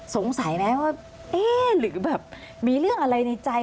สงสัยไหมว่าเอ๊ะหรือแบบมีเรื่องอะไรในใจ